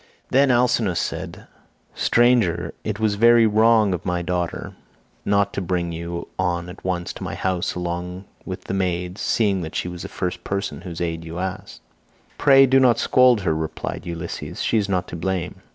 Then Alcinous said, "Stranger, it was very wrong of my daughter not to bring you on at once to my house along with the maids, seeing that she was the first person whose aid you asked." "Pray do not scold her," replied Ulysses; "she is not to blame.